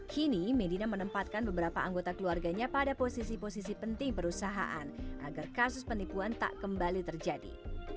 kini medina menempatkan beberapa anggota keluarganya pada posisi posisi penting perusahaan agar kasus penipuan tak kembali terjadi